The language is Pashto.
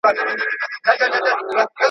رڼې بهیږي.